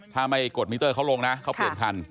ถ้าไม่กดมิเตอร์เขาลงนะเขาเปลี่ยนคัน